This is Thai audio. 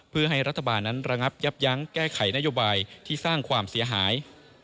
เพื่อให้รัฐบาลนั้นระงับยับยั้งแก้ไขนโยบายที่สร้างความเสียหาย